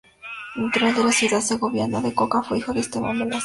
Natural de la ciudad segoviana de Coca, fue hijo de Esteban Velázquez.